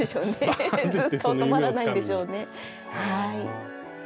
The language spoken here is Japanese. ずっと止まらないんでしょうね。